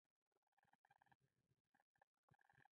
دښته له توفانه نه وېرېږي.